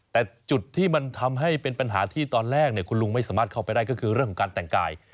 แต่จุดที่มันทำให้เป็นปัญหาที่ตอนแรกคุณลุงไม่สามารถเข้าไปได้ก็คือเรื่องของการแต่งกาย